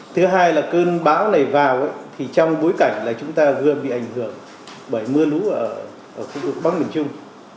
thứ hai là cơn bão này vào thì trong bối cảnh là chúng ta vừa bị ảnh hưởng bởi mưa lũ ở khu vực bắc miền trung